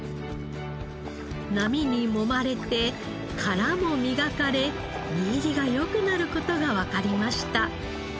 波にもまれて殻も磨かれ身入りが良くなる事がわかりました。